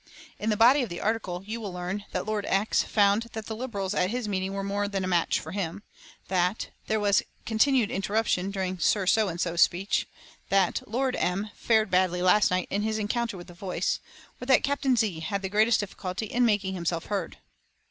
In the body of the article you will learn that "Lord X found that the Liberals at his meeting were more than a match for him," that "there was continued interruption during Sir So and so's speech," that "Lord M fared badly last night in his encounter with the Voice," or that "Captain Z had the greatest difficulty in making himself heard."